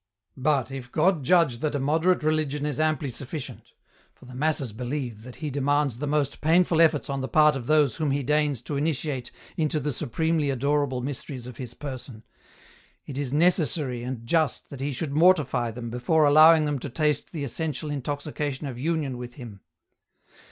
" But if God judge that a moderate religion is amply sufficient — for the masses believe that he demands the most painful efforts on the part of those whom he deigns to initiate into the supremely adorable mysteries of His Person — it is necessary and just that he should mortify them before allowing them to taste the essential intoxication of union with Him."